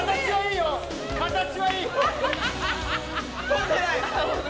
飛んでない。